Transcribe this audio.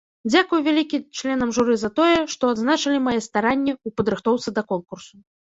Дзякуй вялікі членам журы за тое, то адзначылі мае старанні ў падрыхтоўцы да конкурсу.